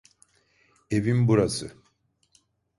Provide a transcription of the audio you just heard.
Evim burası.